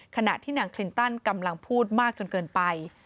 ขณะที่นางคลินตันกำลังพูดมากจนเกินไป